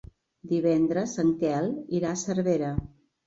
Divendres en Quel irà a Cervera.